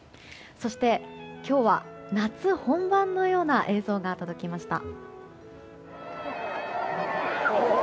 そして、今日は夏本番のような映像が届きました。